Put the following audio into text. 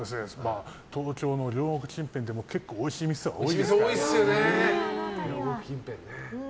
東京の両国近辺でも結構おいしい店は多いですからね。